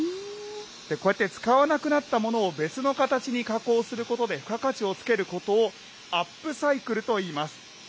こうやって使わなくなったものを別の形に加工することで付加価値をつけることを、アップサイクルといいます。